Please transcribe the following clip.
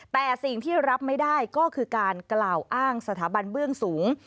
แต่สิ่งที่รับไม่ได้ก็คือการกล่าวอ้างสถาบันเบื้องสูง